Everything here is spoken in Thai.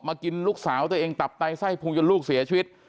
กินลูกสาวตัวเองตับไตไส้พุงจนลูกเสียชีวิต